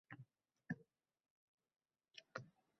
Odilani bir yetimga uzatgandan beri har namozdan so'ng har ishga qodir